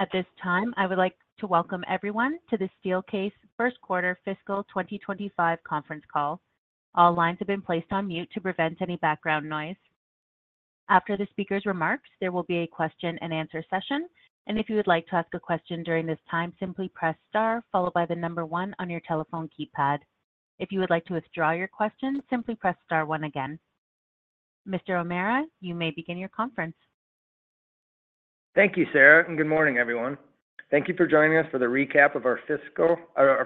At this time, I would like to welcome everyone to the Steelcase First Quarter Fiscal 2025 Conference Call. All lines have been placed on mute to prevent any background noise. After the speaker's remarks, there will be a question and answer session, and if you would like to ask a question during this time, simply press star followed by the number 1 on your telephone keypad. If you would like to withdraw your question, simply press star 1 again. Mr. O'Meara, you may begin your conference. Thank you, Sara, and good morning, everyone. Thank you for joining us for the recap of our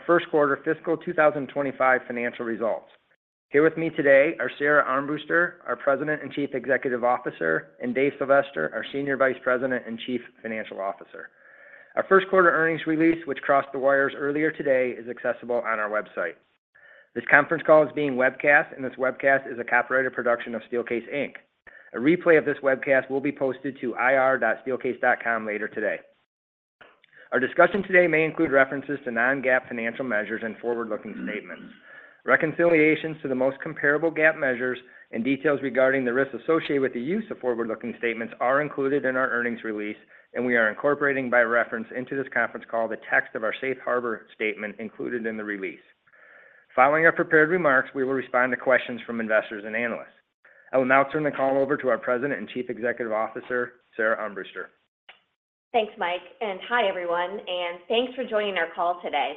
First Quarter Fiscal 2025 Financial Results. Here with me today are Sara Armbruster, our President and Chief Executive Officer, and Dave Sylvester, our Senior Vice President and Chief Financial Officer. Our first quarter earnings release, which crossed the wires earlier today, is accessible on our website. This conference call is being webcast, and this webcast is a copyrighted production of Steelcase Inc. A replay of this webcast will be posted to ir.steelcase.com later today. Our discussion today may include references to non-GAAP financial measures and forward-looking statements. Reconciliations to the most comparable GAAP measures and details regarding the risks associated with the use of forward-looking statements are included in our earnings release, and we are incorporating by reference into this conference call the text of our safe harbor statement included in the release. Following our prepared remarks, we will respond to questions from investors and analysts. I will now turn the call over to our President and Chief Executive Officer, Sara Armbruster. Thanks, Mike, and hi, everyone, and thanks for joining our call today.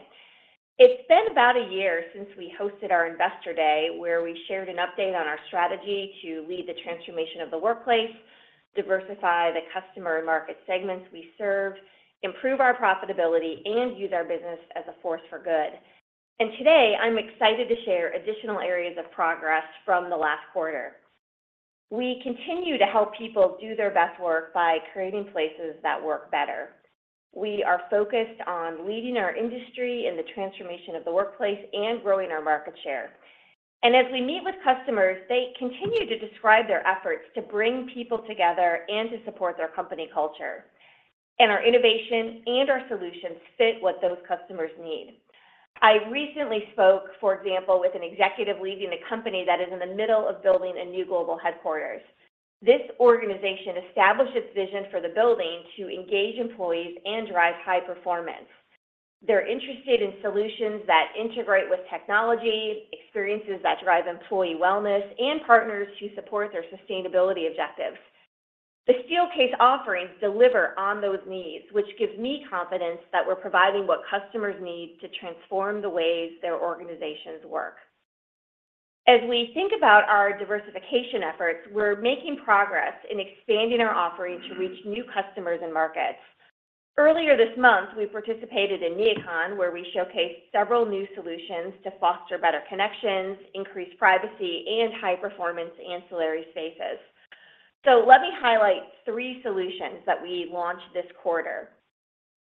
It's been about a year since we hosted our Investor Day, where we shared an update on our strategy to lead the transformation of the workplace, diversify the customer and market segments we serve, improve our profitability, and use our business as a force for good. And today, I'm excited to share additional areas of progress from the last quarter. We continue to help people do their best work by creating places that work better. We are focused on leading our industry in the transformation of the workplace and growing our market share. And as we meet with customers, they continue to describe their efforts to bring people together and to support their company culture, and our innovation and our solutions fit what those customers need. I recently spoke, for example, with an executive leading a company that is in the middle of building a new global headquarters. This organization established its vision for the building to engage employees and drive high performance. They're interested in solutions that integrate with technology, experiences that drive employee wellness, and partners to support their sustainability objectives. The Steelcase offerings deliver on those needs, which gives me confidence that we're providing what customers need to transform the ways their organizations work. As we think about our diversification efforts, we're making progress in expanding our offering to reach new customers and markets. Earlier this month, we participated in NeoCon, where we showcased several new solutions to foster better connections, increase privacy, and high-performance ancillary spaces. So let me highlight three solutions that we launched this quarter.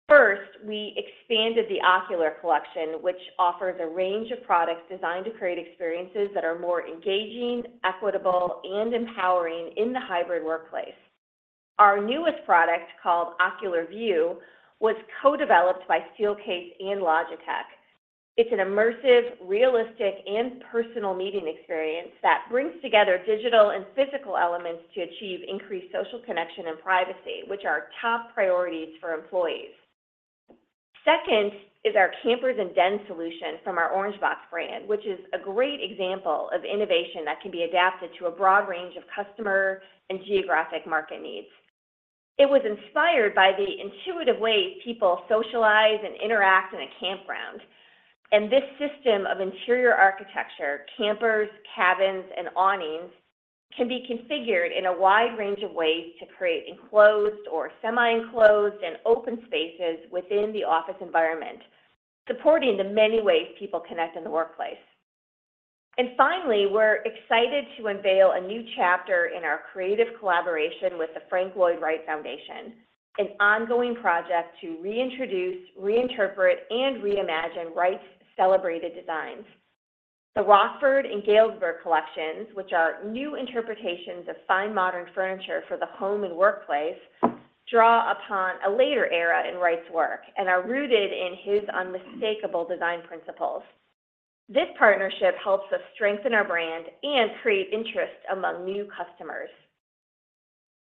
First, we expanded the Ocular Collection, which offers a range of products designed to create experiences that are more engaging, equitable, and empowering in the hybrid workplace. Our newest product, called Ocular View, was co-developed by Steelcase and Logitech. It's an immersive, realistic, and personal meeting experience that brings together digital and physical elements to achieve increased social connection and privacy, which are top priorities for employees. Second is our Campers & Dens solution from our Orangebox brand, which is a great example of innovation that can be adapted to a broad range of customer and geographic market needs. It was inspired by the intuitive way people socialize and interact in a campground, and this system of interior architecture, campers, cabins, and awnings, can be configured in a wide range of ways to create enclosed or semi-enclosed and open spaces within the office environment, supporting the many ways people connect in the workplace. And finally, we're excited to unveil a new chapter in our creative collaboration with the Frank Lloyd Wright Foundation, an ongoing project to reintroduce, reinterpret, and reimagine Wright's celebrated designs. The Rockford and Galesburg Collections, which are new interpretations of fine modern furniture for the home and workplace, draw upon a later era in Wright's work and are rooted in his unmistakable design principles. This partnership helps us strengthen our brand and create interest among new customers.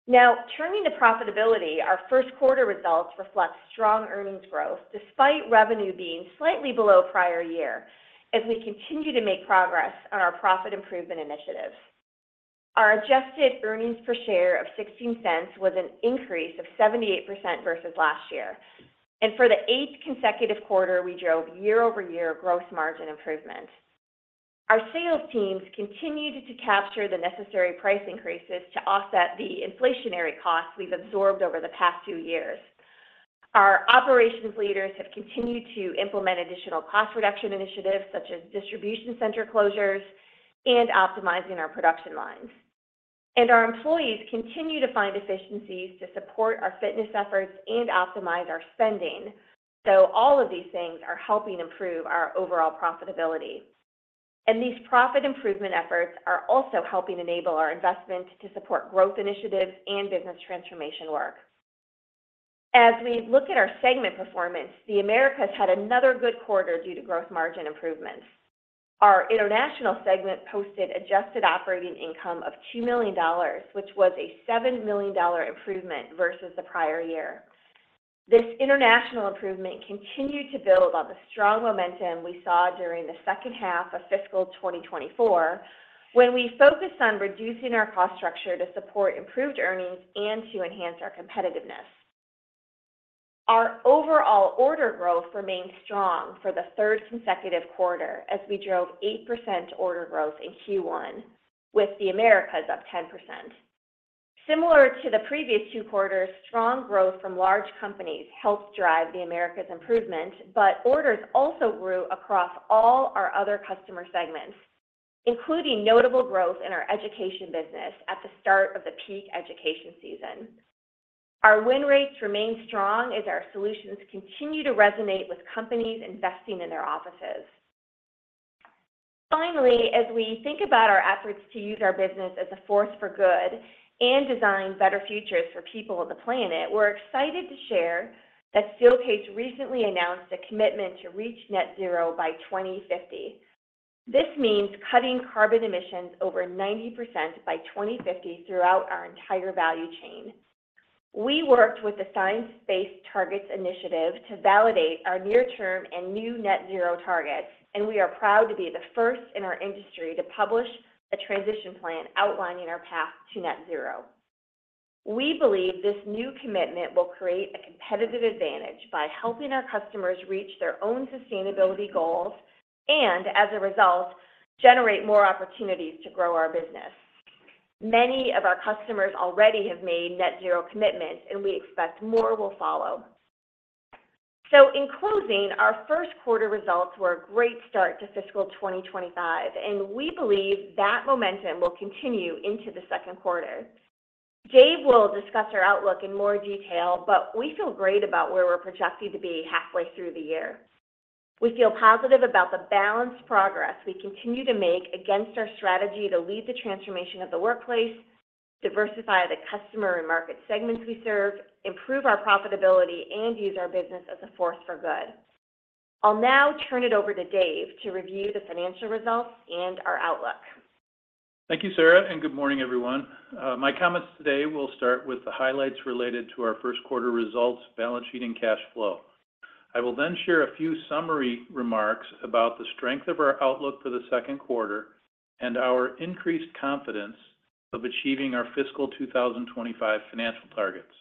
Now, turning to profitability, our first quarter results reflect strong earnings growth, despite revenue being slightly below prior year, as we continue to make progress on our profit improvement initiatives. Our Adjusted Earnings Per Share of $0.16 was an increase of 78% versus last year, and for the eighth consecutive quarter, we drove YoY gross margin improvement. Our sales teams continued to capture the necessary price increases to offset the inflationary costs we've absorbed over the past two years. Our operations leaders have continued to implement additional cost reduction initiatives, such as distribution center closures and optimizing our production lines. Our employees continue to find efficiencies to support our fitness efforts and optimize our spending. All of these things are helping improve our overall profitability. These profit improvement efforts are also helping enable our investment to support growth initiatives and business transformation work. As we look at our segment performance, the Americas had another good quarter due to gross margin improvements. Our International segment posted adjusted operating income of $2 million, which was a $7 million improvement versus the prior year. This International improvement continued to build on the strong momentum we saw during the second half of fiscal 2024, when we focused on reducing our cost structure to support improved earnings and to enhance our competitiveness. Our overall order growth remained strong for the third consecutive quarter, as we drove 8% order growth in Q1, with the Americas up 10%. Similar to the previous two quarters, strong growth from large companies helped drive the Americas improvement, but orders also grew across all our other customer segments, including notable growth in our education business at the start of the peak education season. Our win rates remain strong as our solutions continue to resonate with companies investing in their offices. Finally, as we think about our efforts to use our business as a force for good and design better futures for people on the planet, we're excited to share that Steelcase recently announced a commitment to reach net zero by 2050. This means cutting carbon emissions over 90% by 2050 throughout our entire value chain. We worked with the Science-Based Targets initiative to validate our near-term and new net zero targets, and we are proud to be the first in our industry to publish a transition plan outlining our path to net zero. We believe this new commitment will create a competitive advantage by helping our customers reach their own sustainability goals, and as a result, generate more opportunities to grow our business. Many of our customers already have made net zero commitments, and we expect more will follow. In closing, our first quarter results were a great start to fiscal 2025, and we believe that momentum will continue into the second quarter. Dave will discuss our outlook in more detail, but we feel great about where we're projecting to be halfway through the year. We feel positive about the balanced progress we continue to make against our strategy to lead the transformation of the workplace, diversify the customer and market segments we serve, improve our profitability, and use our business as a force for good. I'll now turn it over to Dave to review the financial results and our outlook. Thank you, Sara, and good morning, everyone. My comments today will start with the highlights related to our first quarter results, balance sheet, and cash flow. I will then share a few summary remarks about the strength of our outlook for the second quarter and our increased confidence of achieving our fiscal 2025 financial targets.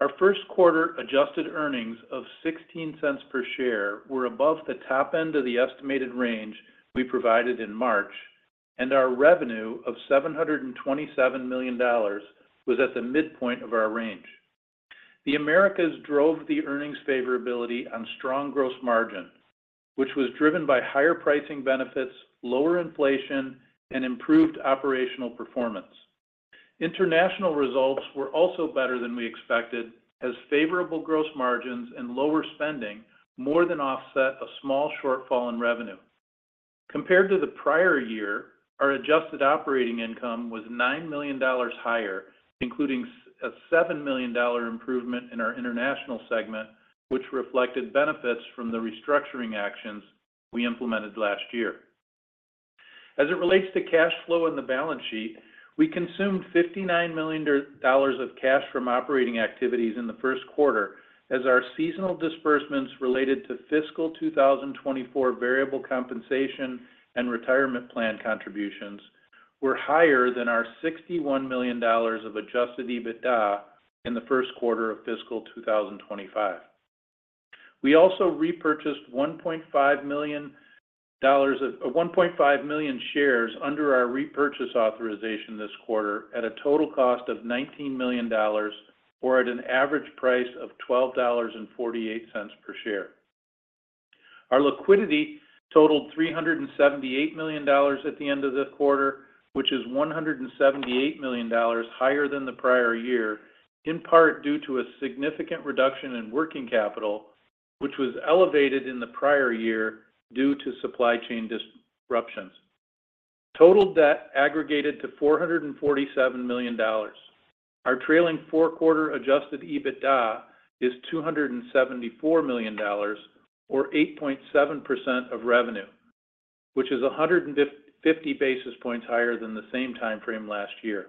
Our first quarter adjusted earnings of $0.16 per share were above the top end of the estimated range we provided in March, and our revenue of $727 million was at the midpoint of our range. The Americas drove the earnings favorability on strong gross margin, which was driven by higher pricing benefits, lower inflation, and improved operational performance. International results were also better than we expected, as favorable gross margins and lower spending more than offset a small shortfall in revenue. Compared to the prior year, our adjusted operating income was $9 million higher, including a $7 million improvement in our International segment, which reflected benefits from the restructuring actions we implemented last year. As it relates to cash flow on the balance sheet, we consumed $59 million of cash from operating activities in the first quarter, as our seasonal disbursements related to fiscal 2024 variable compensation and retirement plan contributions were higher than our $61 million of adjusted EBITDA in the first quarter of fiscal 2025. We also repurchased 1.5 million shares under our repurchase authorization this quarter at a total cost of $19 million, or at an average price of $12.48 per share. Our liquidity totaled $378 million at the end of the quarter, which is $178 million higher than the prior year, in part due to a significant reduction in working capital, which was elevated in the prior year due to supply chain disruptions. Total debt aggregated to $447 million. Our trailing four-quarter adjusted EBITDA is $274 million, or 8.7% of revenue, which is a hundred and fifty basis points higher than the same time frame last year.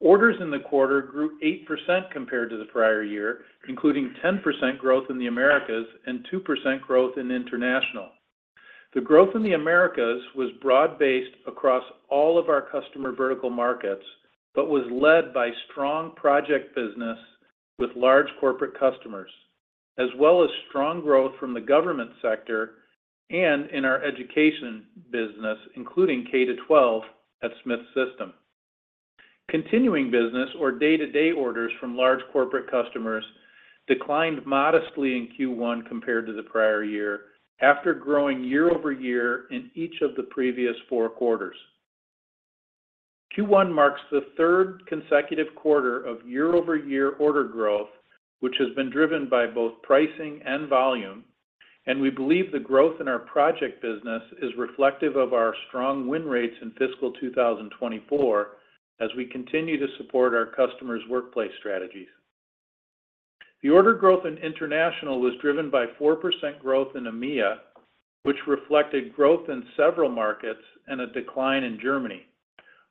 Orders in the quarter grew 8% compared to the prior year, including 10% growth in the Americas and 2% growth in International. The growth in the Americas was broad-based across all of our customer vertical markets, but was led by strong project business with large corporate customers, as well as strong growth from the government sector and in our education business, including K-12 at Smith System. Continuing business or day-to-day orders from large corporate customers declined modestly in Q1 compared to the prior year, after growing YoY in each of the previous four quarters. Q1 marks the third consecutive quarter of YoY order growth, which has been driven by both pricing and volume, and we believe the growth in our project business is reflective of our strong win rates in fiscal 2024 as we continue to support our customers' workplace strategies. The order growth in International was driven by 4% growth in EMEA, which reflected growth in several markets and a decline in Germany.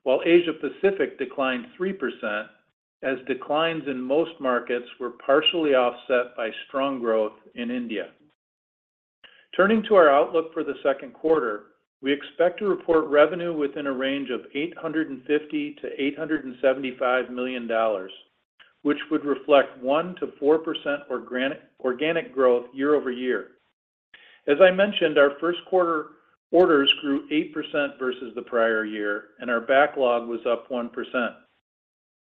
While Asia Pacific declined 3%, as declines in most markets were partially offset by strong growth in India. Turning to our outlook for the second quarter, we expect to report revenue within a range of $850 million-$875 million, which would reflect 1%-4% organic growth YoY. As I mentioned, our first quarter orders grew 8% versus the prior year, and our backlog was up 1%.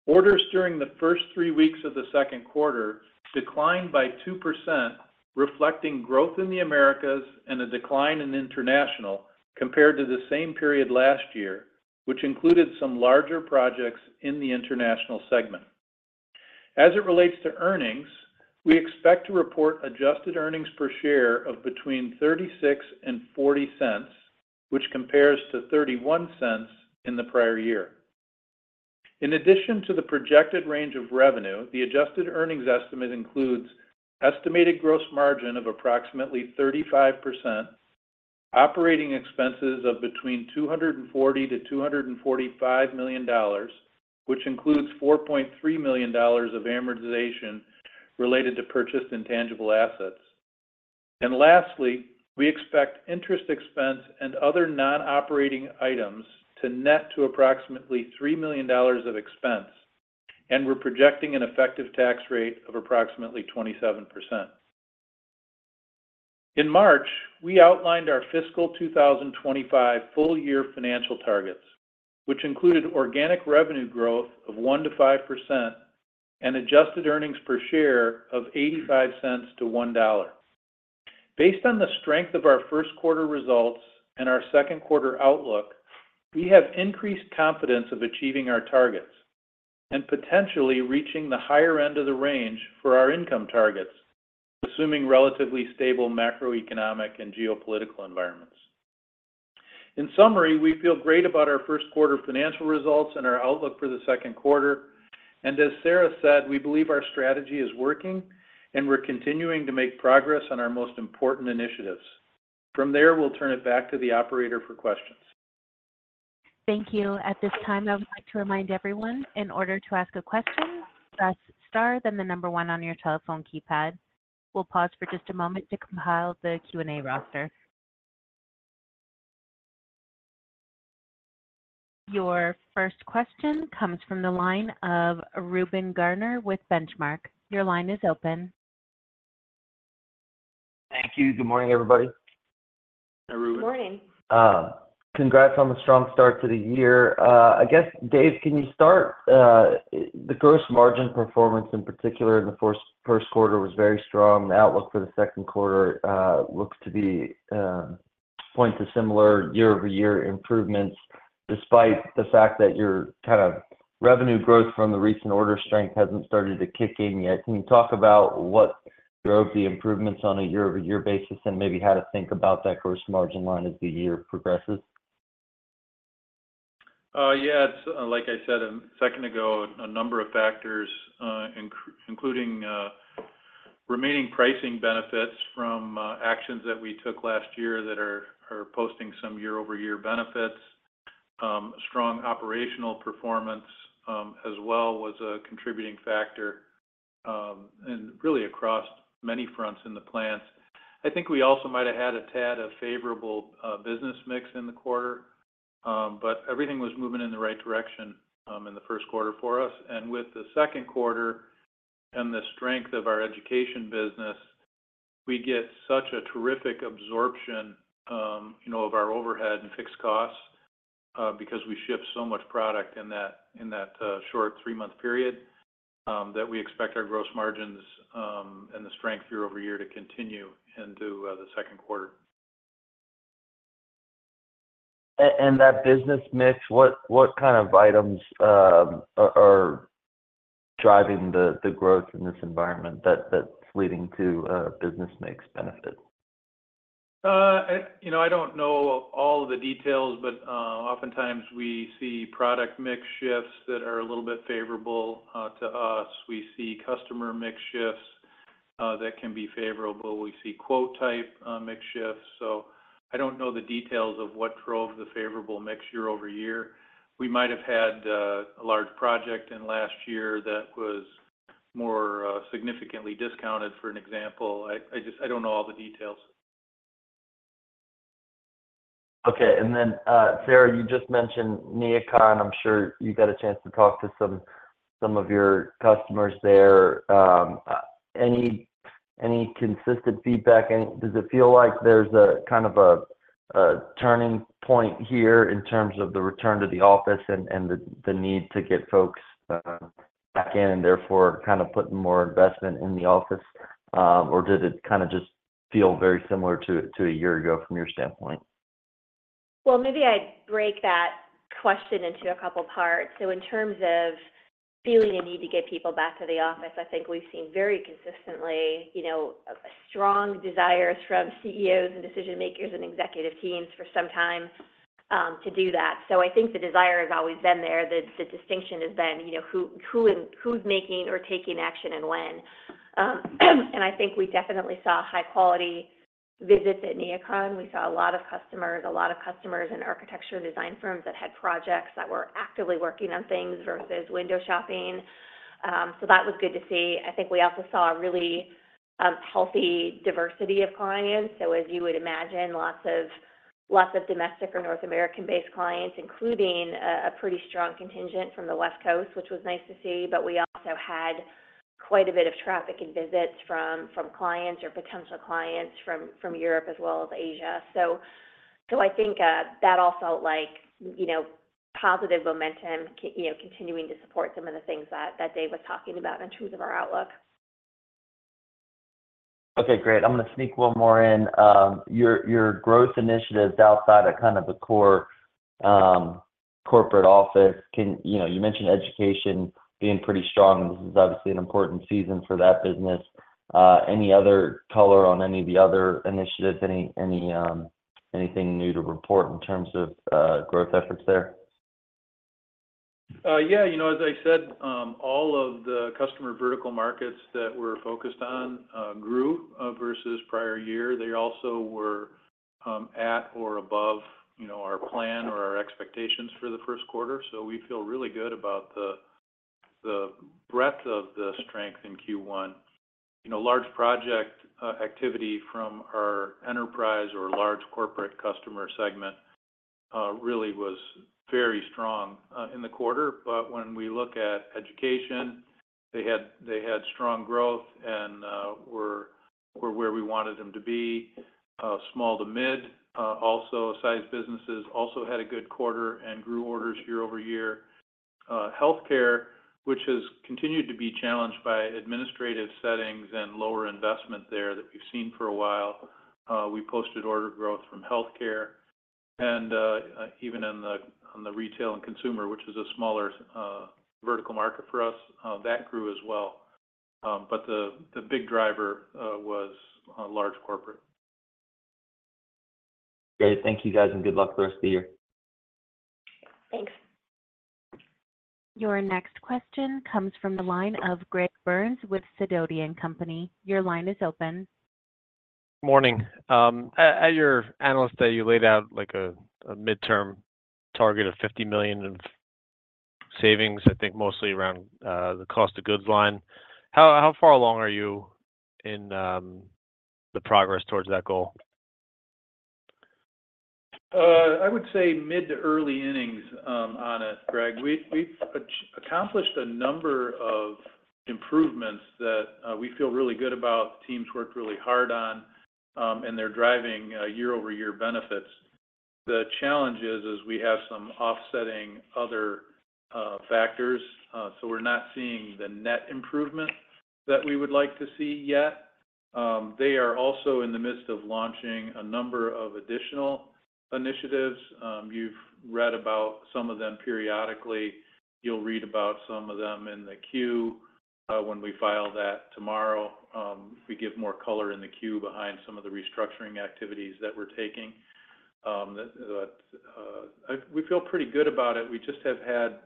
Orders during the first 3 weeks of the second quarter declined by 2%, reflecting growth in the Americas and a decline in International compared to the same period last year, which included some larger projects in the International segment. As it relates to earnings, we expect to report adjusted earnings per share of between $0.36 and $0.40, which compares to $0.31 in the prior year. In addition to the projected range of revenue, the adjusted earnings estimate includes estimated gross margin of approximately 35%, operating expenses of between $240 million and $245 million, which includes $4.3 million of amortization related to purchased intangible assets. Lastly, we expect interest expense and other non-operating items to net to approximately $3 million of expense, and we're projecting an effective tax rate of approximately 27%. In March, we outlined our fiscal 2025 full year financial targets, which included organic revenue growth of 1%-5% and adjusted earnings per share of $0.85-$1. Based on the strength of our first quarter results and our second quarter outlook, we have increased confidence of achieving our targets and potentially reaching the higher end of the range for our income targets, assuming relatively stable macroeconomic and geopolitical environments. In summary, we feel great about our first quarter financial results and our outlook for the second quarter. As Sara said, we believe our strategy is working, and we're continuing to make progress on our most important initiatives. From there, we'll turn it back to the operator for questions. Thank you. At this time, I would like to remind everyone, in order to ask a question, press Star, then the number one on your telephone keypad. We'll pause for just a moment to compile the Q&A roster. Your first question comes from the line of Reuben Garner with Benchmark. Your line is open. Thank you. Good morning, everybody. Hi, Reuben. Good morning. Congrats on the strong start to the year. I guess, Dave, can you start the gross margin performance, in particular in the first quarter, was very strong. The outlook for the second quarter looks to be point to similar YoY improvements, despite the fact that your kind of revenue growth from the recent order strength hasn't started to kick in yet. Can you talk about what drove the improvements on a YoY basis and maybe how to think about that gross margin line as the year progresses? Yes. Like I said a second ago, a number of factors, including remaining pricing benefits from actions that we took last year that are posting some YoY benefits. Strong operational performance, as well, was a contributing factor, and really across many fronts in the plants. I think we also might have had a tad of favorable business mix in the quarter, but everything was moving in the right direction, in the first quarter for us. With the second quarter and the strength of our education business, we get such a terrific absorption, you know, of our overhead and fixed costs, because we ship so much product in that short three-month period, that we expect our gross margins, and the strength YoY to continue into the second quarter. And that business mix, what kind of items are driving the growth in this environment that's leading to a business mix benefit? You know, I don't know all the details, but oftentimes we see product mix shifts that are a little bit favorable to us. We see customer mix shifts that can be favorable. We see quote type mix shifts. So I don't know the details of what drove the favorable mix year over year. We might have had a large project in last year that was more significantly discounted, for an example. I just don't know all the details. Okay. And then, Sara, you just mentioned NeoCon. I'm sure you got a chance to talk to some of your customers there. Any consistent feedback? And does it feel like there's a kind of a turning point here in terms of the return to the office and the need to get folks back in and therefore, kind of putting more investment in the office? Or did it kind of just feel very similar to a year ago from your standpoint? Well, maybe I'd break that question into a couple parts. So in terms of feeling a need to get people back to the office, I think we've seen very consistently, you know, a strong desire from CEOs and decision makers and executive teams for some time... to do that. So I think the desire has always been there. The distinction has been, you know, who's making or taking action and when? And I think we definitely saw high quality visits at NeoCon. We saw a lot of customers, a lot of customers in architecture and design firms that had projects that were actively working on things versus window shopping. So that was good to see. I think we also saw a really healthy diversity of clients. So as you would imagine, lots of, lots of domestic or North American-based clients, including a pretty strong contingent from the West Coast, which was nice to see. But we also had quite a bit of traffic and visits from clients or potential clients from Europe as well as Asia. So I think that all felt like, you know, positive momentum, you know, continuing to support some of the things that Dave was talking about in terms of our outlook. Okay, great. I'm gonna sneak one more in. Your growth initiatives outside of kind of the core corporate office, can you know, you mentioned education being pretty strong, and this is obviously an important season for that business. Any other color on any of the other initiatives? Any, anything new to report in terms of growth efforts there? Yeah, you know, as I said, all of the customer vertical markets that we're focused on grew versus prior year. They also were at or above, you know, our plan or our expectations for the first quarter. So we feel really good about the breadth of the strength in Q1. You know, large project activity from our enterprise or large corporate customer segment really was very strong in the quarter. But when we look at education, they had strong growth and were where we wanted them to be. Small to mid-sized businesses also had a good quarter and grew orders YoY. Healthcare, which has continued to be challenged by administrative settings and lower investment there that we've seen for a while, we posted order growth from healthcare, and even on the retail and consumer, which is a smaller vertical market for us, that grew as well. But the big driver was large corporate. Great. Thank you, guys, and good luck the rest of the year. Thanks. Your next question comes from the line of Greg Burns with Sidoti & Company. Your line is open. Morning. At your analyst day, you laid out, like, a midterm target of $50 million of savings, I think mostly around the cost of goods line. How far along are you in the progress towards that goal? I would say mid to early innings on it, Greg. We've accomplished a number of improvements that we feel really good about, the team's worked really hard on, and they're driving YoY benefits. The challenge is we have some offsetting other factors, so we're not seeing the net improvement that we would like to see yet. They are also in the midst of launching a number of additional initiatives. You've read about some of them periodically. You'll read about some of them in the Q when we file that tomorrow. We give more color in the Q behind some of the restructuring activities that we're taking. We feel pretty good about it. We just have had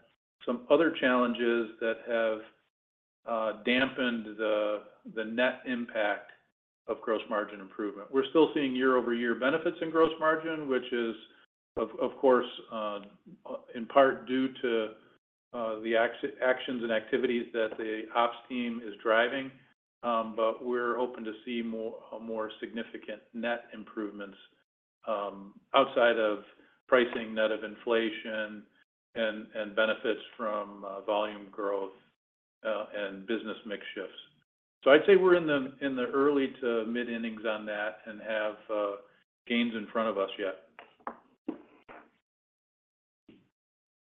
some other challenges that have dampened the net impact of gross margin improvement. We're still seeing YoY benefits in gross margin, which is, of course, in part due to the actions and activities that the ops team is driving. But we're hoping to see more, a more significant net improvements outside of pricing, net of inflation, and benefits from volume growth and business mix shifts. So I'd say we're in the early to mid innings on that and have gains in front of us yet.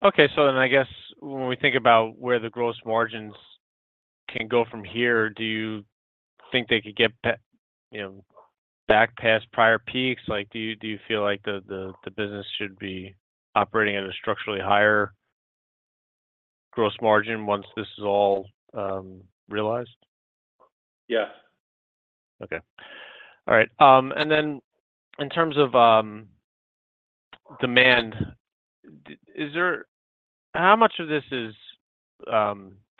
Okay, so then I guess when we think about where the gross margins can go from here, do you think they could get, you know, back past prior peaks? Like, do you feel like the business should be operating at a structurally higher gross margin once this is all realized? Yeah. Okay. All right, and then in terms of demand, is there, how much of this is,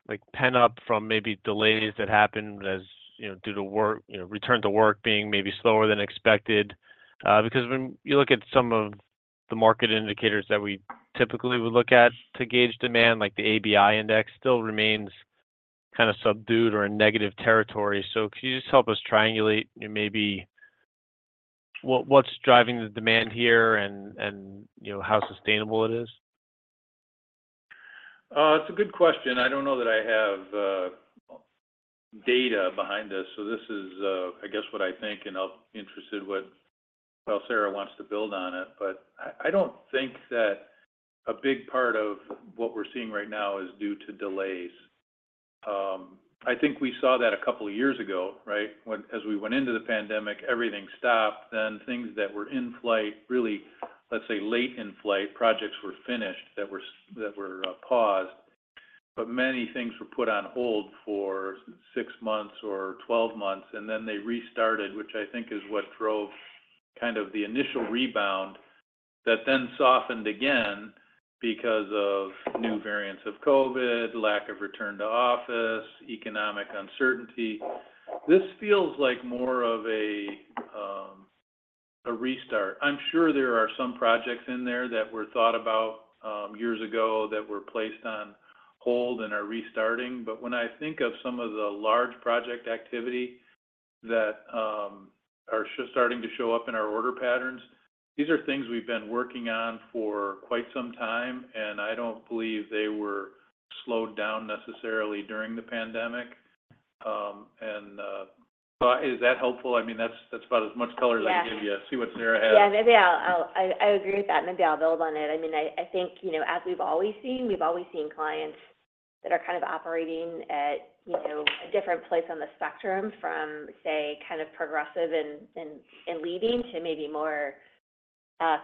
like, pent up from maybe delays that happened as, you know, due to work, you know, return to work being maybe slower than expected? Because when you look at some of the market indicators that we typically would look at to gauge demand, like the ABI Index, still remains kind of subdued or in negative territory. So could you just help us triangulate maybe what, what's driving the demand here and, and, you know, how sustainable it is? It's a good question. I don't know that I have, data behind this, so this is, I guess, what I think, and I'll be interested what well, Sara wants to build on it. But I don't think that a big part of what we're seeing right now is due to delays. I think we saw that a couple of years ago, right? When, as we went into the pandemic, everything stopped, then things that were in flight, really, let's say late in flight, projects were finished, that were paused, but many things were put on hold for six months or 12 months, and then they restarted, which I think is what drove kind of the initial rebound that then softened again because of new variants of COVID, lack of return to office, economic uncertainty. This feels like more of a restart. I'm sure there are some projects in there that were thought about years ago that were placed on hold and are restarting. But when I think of some of the large project activity that are starting to show up in our order patterns, these are things we've been working on for quite some time, and I don't believe they were slowed down necessarily during the pandemic. So is that helpful? I mean, that's about as much color as I can give you. Yeah. See what Sara has. Yeah. Maybe I'll-- I agree with that, and maybe I'll build on it. I mean, I think, you know, as we've always seen, we've always seen clients that are kind of operating at, you know, a different place on the spectrum from, say, kind of progressive and leading to maybe more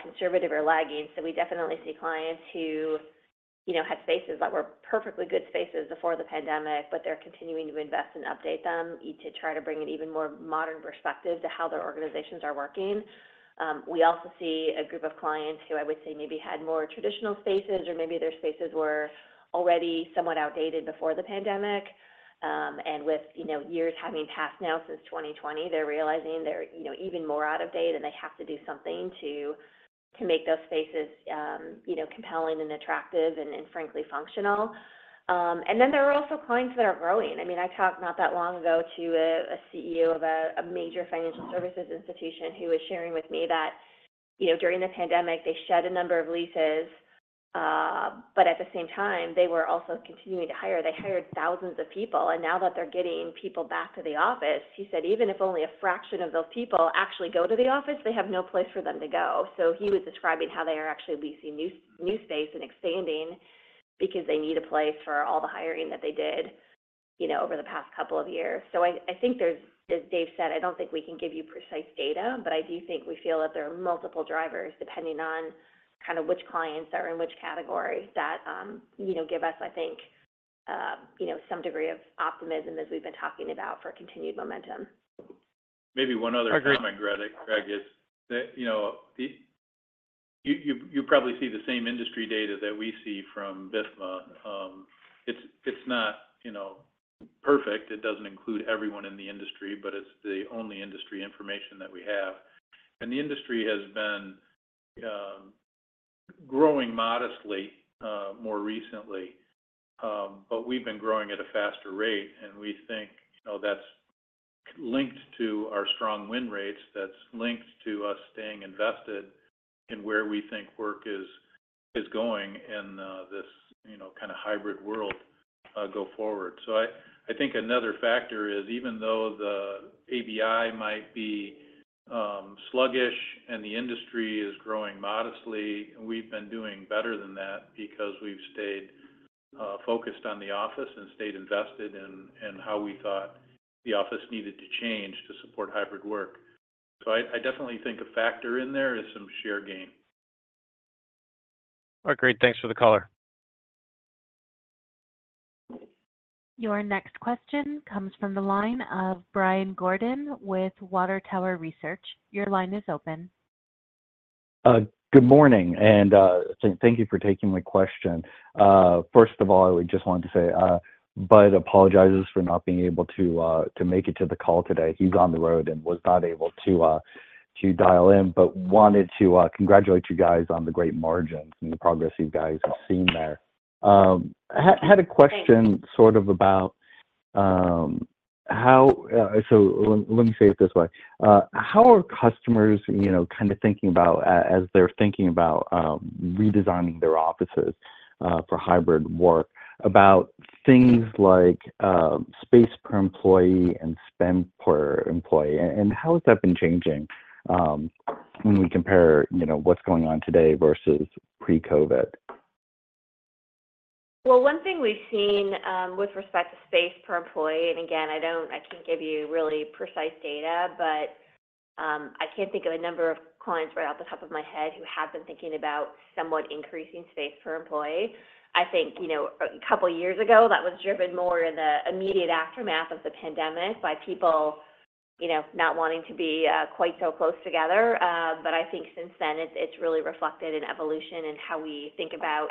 conservative or lagging. So we definitely see clients who, you know, had spaces that were perfectly good spaces before the pandemic, but they're continuing to invest and update them to try to bring an even more modern perspective to how their organizations are working. We also see a group of clients who I would say maybe had more traditional spaces or maybe their spaces were already somewhat outdated before the pandemic. And with, you know, years having passed now since 2020, they're realizing they're, you know, even more out of date, and they have to do something to, to make those spaces, you know, compelling and attractive and, and frankly, functional. And then there are also clients that are growing. I mean, I talked not that long ago to a CEO of a major financial services institution who was sharing with me that, you know, during the pandemic, they shed a number of leases, but at the same time, they were also continuing to hire. They hired thousands of people, and now that they're getting people back to the office, he said even if only a fraction of those people actually go to the office, they have no place for them to go. So he was describing how they are actually leasing new space and expanding because they need a place for all the hiring that they did, you know, over the past couple of years. So I think there's, as Dave said, I don't think we can give you precise data, but I do think we feel that there are multiple drivers depending on kind of which clients are in which category that, you know, give us, I think, you know, some degree of optimism, as we've been talking about, for continued momentum. Maybe one other comment, Greg, is that, you know, You probably see the same industry data that we see from BIFMA. It's not, you know, perfect. It doesn't include everyone in the industry, but it's the only industry information that we have. And the industry has been growing modestly more recently. But we've been growing at a faster rate, and we think, you know, that's linked to our strong win rates, that's linked to us staying invested in where we think work is going in this, you know, kind of hybrid world go forward. So I think another factor is, even though the ABI might be sluggish and the industry is growing modestly, we've been doing better than that because we've stayed focused on the office and stayed invested in how we thought the office needed to change to support hybrid work. So I definitely think a factor in there is some share gain. Oh, great. Thanks for the color. Your next question comes from the line of Brian Gordon with Water Tower Research. Your line is open. Good morning, and thank you for taking my question. First of all, I just wanted to say, Budd apologizes for not being able to make it to the call today. He's on the road and was not able to dial in, but wanted to congratulate you guys on the great margins and the progress you guys have seen there. Had a question-... sort of, about, how... So let me say it this way: How are customers, you know, kind of thinking about, as they're thinking about, redesigning their offices, for hybrid work, about things like, space per employee and spend per employee? And how has that been changing, when we compare, you know, what's going on today versus pre-COVID? Well, one thing we've seen with respect to space per employee, and again, I can't give you really precise data, but I can think of a number of clients right off the top of my head who have been thinking about somewhat increasing space per employee. I think, you know, a couple of years ago, that was driven more in the immediate aftermath of the pandemic by people, you know, not wanting to be quite so close together. But I think since then, it's really reflected in evolution and how we think about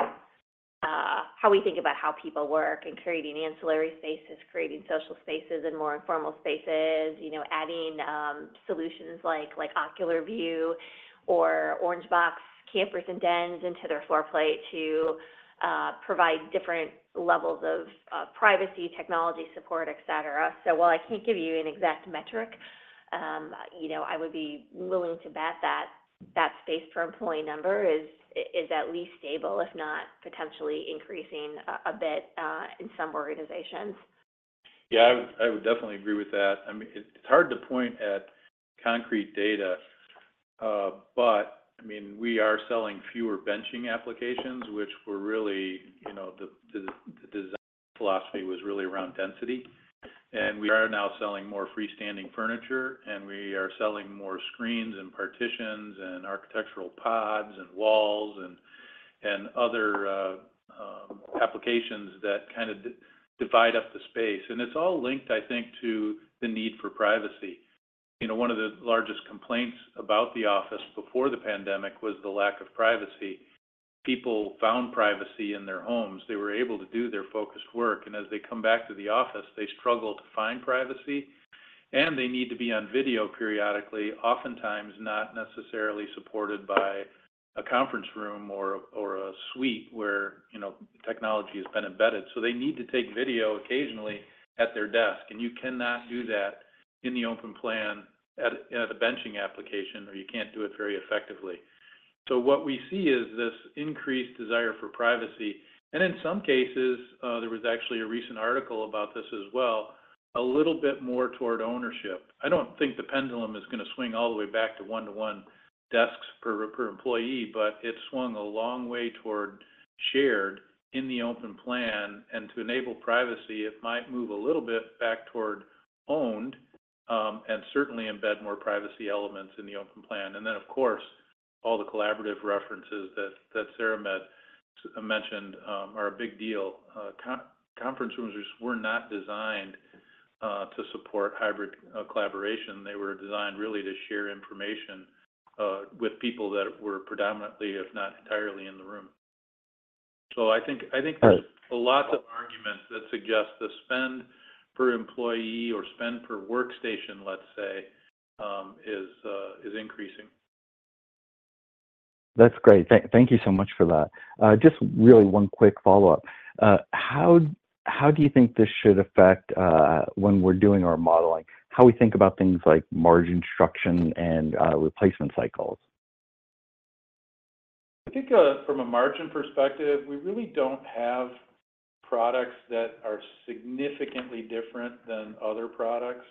how we think about how people work and creating ancillary spaces, creating social spaces and more informal spaces. You know, adding solutions like Ocular View or Orangebox Campers & Dens into their floor plate to provide different levels of privacy, technology support, et cetera. So while I can't give you an exact metric, you know, I would be willing to bet that that space per employee number is at least stable, if not potentially increasing a bit in some organizations. Yeah, I would, I would definitely agree with that. I mean, it's, it's hard to point at concrete data, but I mean, we are selling fewer benching applications, which were really, you know, the design philosophy was really around density. And we are now selling more freestanding furniture, and we are selling more screens and partitions and architectural pods and walls and other applications that kind of divide up the space. And it's all linked, I think, to the need for privacy. You know, one of the largest complaints about the office before the pandemic was the lack of privacy. People found privacy in their homes. They were able to do their focused work, and as they come back to the office, they struggle to find privacy, and they need to be on video periodically, oftentimes not necessarily supported by a conference room or a suite where, you know, technology has been embedded. So they need to take video occasionally at their desk, and you cannot do that in the open plan at the benching application, or you can't do it very effectively. So what we see is this increased desire for privacy, and in some cases, there was actually a recent article about this as well, a little bit more toward ownership. I don't think the pendulum is gonna swing all the way back to one-to-one desks per employee, but it swung a long way toward shared in the open plan. And to enable privacy, it might move a little bit back toward owned, and certainly embed more privacy elements in the open plan. And then, of course, all the collaborative references that Sara mentioned are a big deal. Conference rooms were not designed to support hybrid collaboration. They were designed really to share information with people that were predominantly, if not entirely, in the room. So I think,... there's lots of arguments that suggest the spend per employee or spend per workstation, let's say, is increasing. That's great. Thank you so much for that. Just really one quick follow-up. How do you think this should affect, when we're doing our modeling, how we think about things like margin structure and replacement cycles? I think, from a margin perspective, we really don't have products that are significantly different than other products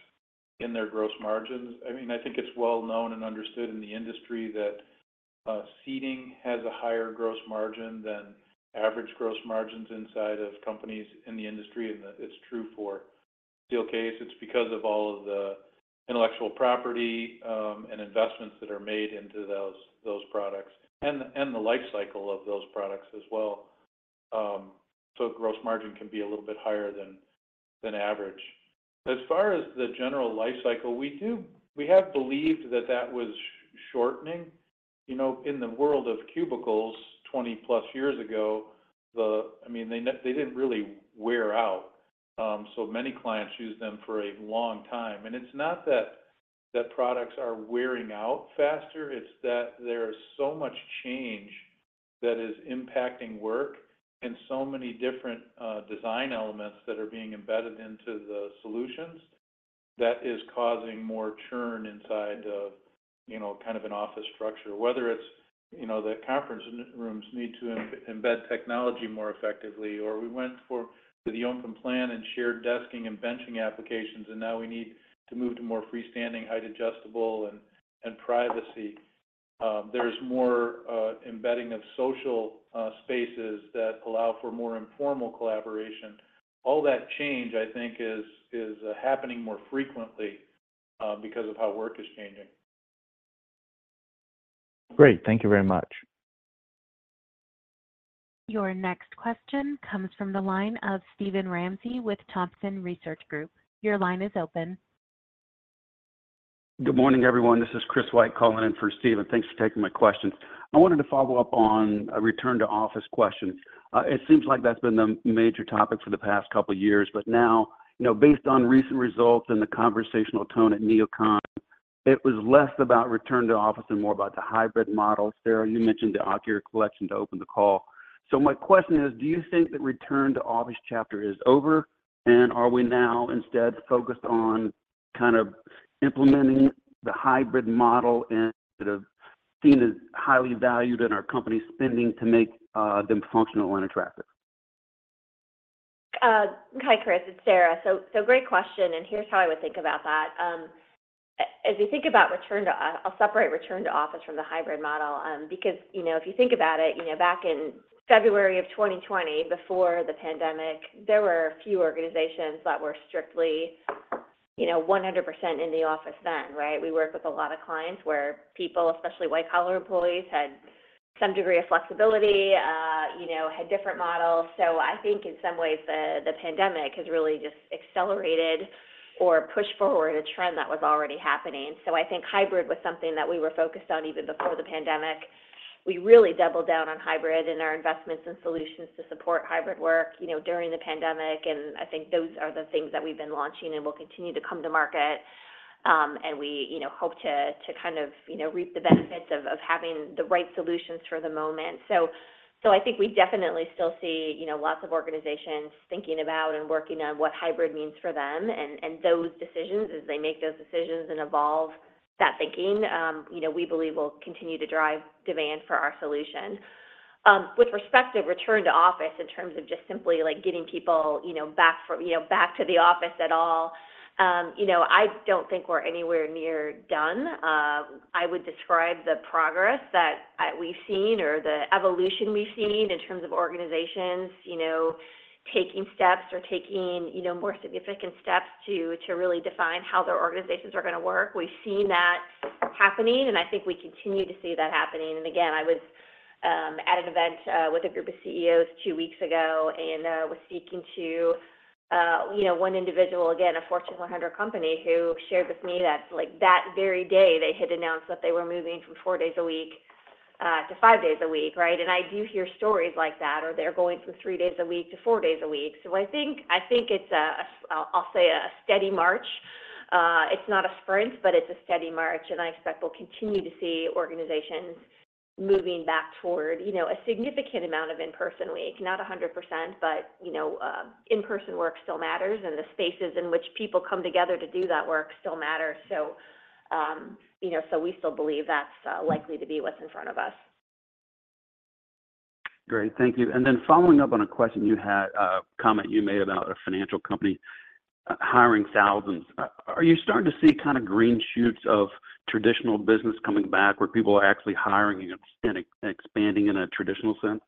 in their gross margins. I mean, I think it's well known and understood in the industry that, seating has a higher gross margin than average gross margins inside of companies in the industry, and that it's true for Steelcase. It's because of all of the intellectual property, and investments that are made into those products, and the life cycle of those products as well. So gross margin can be a little bit higher than average. As far as the general life cycle, we have believed that that was shortening. You know, in the world of cubicles 20+ years ago, I mean, they didn't really wear out. So many clients used them for a long time, and it's not that products are wearing out faster. It's that there is so much change that is impacting work and so many different design elements that are being embedded into the solutions that is causing more churn inside of, you know, kind of an office structure. Whether it's, you know, the conference rooms need to embed technology more effectively, or we went for the open plan and shared desking and benching applications, and now we need to move to more freestanding, height-adjustable, and privacy. There's more embedding of social spaces that allow for more informal collaboration. All that change, I think, is happening more frequently because of how work is changing. Great. Thank you very much. Your next question comes from the line of Steven Ramsey with Thompson Research Group. Your line is open. Good morning, everyone. This is Chris White calling in for Steven. Thanks for taking my questions. I wanted to follow up on a return to office question. It seems like that's been the major topic for the past couple of years, but now, you know, based on recent results and the conversational tone at NeoCon, it was less about return to office and more about the hybrid model. Sara, you mentioned the Ocular collection to open the call. So my question is, do you think the return to office chapter is over, and are we now instead focused on kind of implementing the hybrid model and sort of seen as highly valued in our company's spending to make them functional and attractive? Hi, Chris. It's Sara. So, so great question, and here's how I would think about that. As we think about return to, I'll separate return to office from the hybrid model, because, you know, if you think about it, you know, back in February of 2020, before the pandemic, there were a few organizations that were strictly, you know, 100% in the office then, right? We work with a lot of clients where people, especially white-collar employees, had some degree of flexibility, you know, had different models. So I think in some ways, the pandemic has really just accelerated or pushed forward a trend that was already happening. So I think hybrid was something that we were focused on even before the pandemic. We really doubled down on hybrid and our investments and solutions to support hybrid work, you know, during the pandemic, and I think those are the things that we've been launching and will continue to come to market. We, you know, hope to, to kind of, you know, reap the benefits of, of having the right solutions for the moment. So, so I think we definitely still see, you know, lots of organizations thinking about and working on what hybrid means for them. And, and those decisions, as they make those decisions and evolve that thinking, you know, we believe will continue to drive demand for our solution. With respect to return to office, in terms of just simply, like, getting people, you know, back from, you know, back to the office at all, you know, I don't think we're anywhere near done. I would describe the progress that we've seen or the evolution we've seen in terms of organizations, you know, taking steps or taking, you know, more significant steps to really define how their organizations are gonna work. We've seen that happening, and I think we continue to see that happening. And again, I was at an event with a group of CEOs two weeks ago and was speaking to, you know, one individual, again, a Fortune 100 company, who shared with me that, like, that very day, they had announced that they were moving from four days a week to five days a week, right? And I do hear stories like that, or they're going from three days a week to four days a week. So I think it's a steady march. It's not a sprint, but it's a steady march, and I expect we'll continue to see organizations moving back toward, you know, a significant amount of in-person weeks. Not 100%, but, you know, in-person work still matters, and the spaces in which people come together to do that work still matter. So, you know, so we still believe that's likely to be what's in front of us. Great. Thank you. And then following up on a question you had, a comment you made about a financial company hiring thousands. Are you starting to see kind of green shoots of traditional business coming back, where people are actually hiring and expanding in a traditional sense?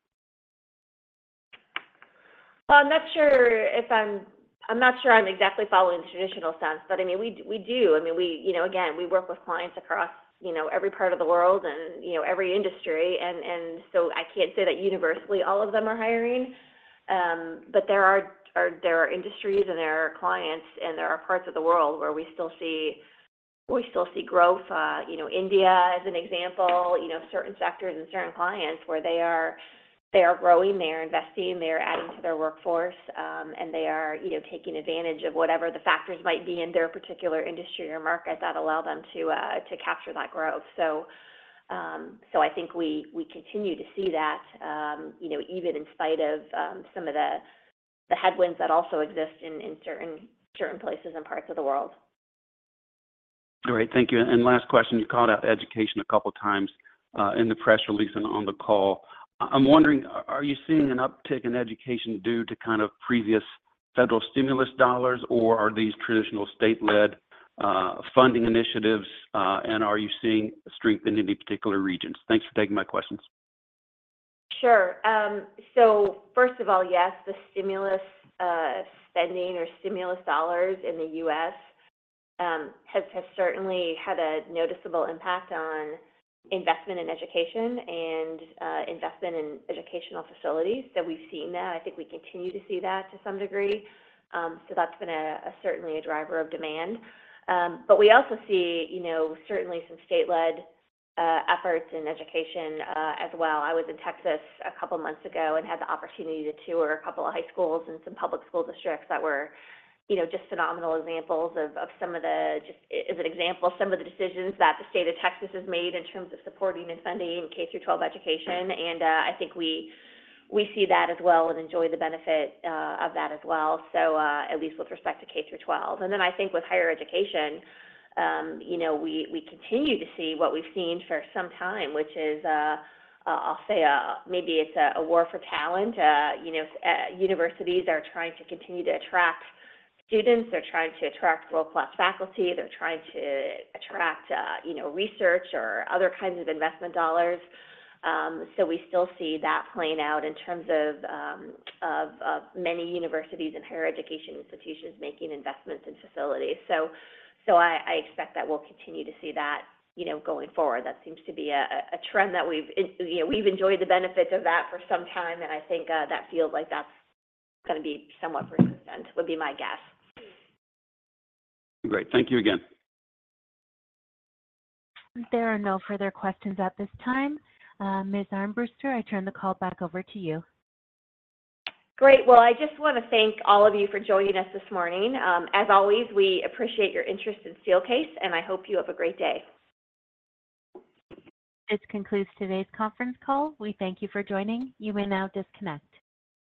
Well, I'm not sure if I'm exactly following the traditional sense, but I mean, we do. I mean, we, you know, again, we work with clients across, you know, every part of the world and, you know, every industry. And so I can't say that universally all of them are hiring. But there are industries, and there are clients, and there are parts of the world where we still see growth. You know, India, as an example, you know, certain sectors and certain clients where they are growing, they are investing, they are adding to their workforce. And they are, you know, taking advantage of whatever the factors might be in their particular industry or market that allow them to capture that growth. So, I think we continue to see that, you know, even in spite of some of the headwinds that also exist in certain places and parts of the world. All right, thank you. Last question, you called out education a couple times, in the press release and on the call. I'm wondering, are you seeing an uptick in education due to kind of previous federal stimulus dollars, or are these traditional state-led, funding initiatives, and are you seeing strength in any particular regions? Thanks for taking my questions. Sure. So first of all, yes, the stimulus spending or stimulus dollars in the U.S. has certainly had a noticeable impact on investment in education and investment in educational facilities. So we've seen that. I think we continue to see that to some degree. So that's been certainly a driver of demand. But we also see, you know, certainly some state-led efforts in education as well. I was in Texas a couple months ago and had the opportunity to tour a couple of high schools and some public school districts that were, you know, just phenomenal examples of some of the just as an example, some of the decisions that the state of Texas has made in terms of supporting and funding K through twelve education. I think we see that as well and enjoy the benefit of that as well, so at least with respect to K through 12. And then I think with higher education, you know, we continue to see what we've seen for some time, which is, I'll say, maybe it's a war for talent. You know, universities are trying to continue to attract students. They're trying to attract world-class faculty. They're trying to attract, you know, research or other kinds of investment dollars. So we still see that playing out in terms of, of many universities and higher education institutions making investments in facilities. So I expect that we'll continue to see that, you know, going forward. That seems to be a trend that we've, you know, we've enjoyed the benefits of that for some time, and I think that feels like that's gonna be somewhat persistent, would be my guess. Great. Thank you again. There are no further questions at this time. Ms. Armbruster, I turn the call back over to you. Great! Well, I just wanna thank all of you for joining us this morning. As always, we appreciate your interest in Steelcase, and I hope you have a great day. This concludes today's conference call. We thank you for joining. You may now disconnect.